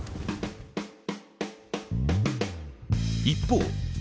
一方